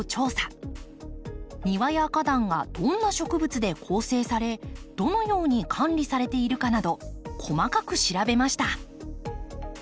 庭や花壇がどんな植物で構成されどのように管理されているかなど細かく調べました。